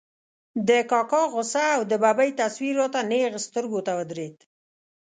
د کاکا غوسه او د ببۍ تصویر را ته نېغ سترګو ته ودرېد.